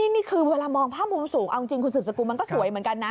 นี่คือเวลามองภาพมุมสูงเอาจริงคุณสืบสกุลมันก็สวยเหมือนกันนะ